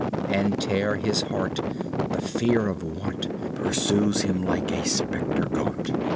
And tear his heart; the fear of want Pursues him like a spectre gaunt.